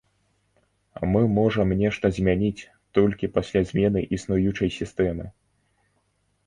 Мы можам нешта змяніць толькі пасля змены існуючай сістэмы.